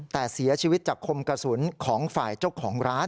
แต่เสียชีวิตจากคมกระสุนของฝ่ายเจ้าของร้าน